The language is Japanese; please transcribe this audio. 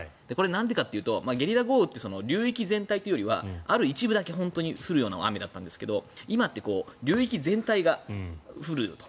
なんでかというとゲリラ豪雨って流域全体というよりはある一部だけ本当に降るような大雨だったんですけど今、流域全体が降ると。